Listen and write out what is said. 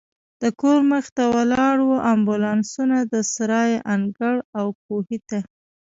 د کور مخې ته ولاړو امبولانسونو، د سرای انګړ او کوهي ته.